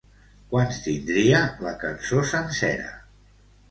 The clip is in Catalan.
Quants tindria la cançó sencera?